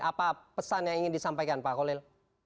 apa pesan yang ingin disampaikan pak holil